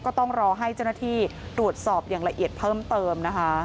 ก็ต้องรอให้เจ้าหน้าที่ตรวจสอบอย่างละเอียดเพิ่มเติมนะคะ